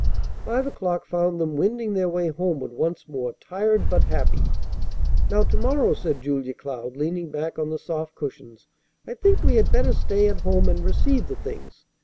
Five o'clock found them wending their way homeward once more, tired but happy. "Now, to morrow," said Julia Cloud, leaning back on the soft cushions, "I think we had better stay at home and receive the things.